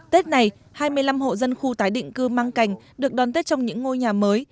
tết này hai mươi năm hộ dân khu tái định cư măng cành được đón tết trong những ngôi nhà mới